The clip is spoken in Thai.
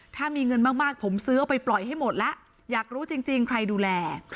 ถ้ามีเงินมากผมซื้อเอาไปปล่อยให้หมดแล้วอยากรู้จริงใครดูแล